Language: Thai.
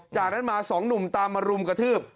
จากนั้นมาสองหนุ่มตามมารุมกระทืบ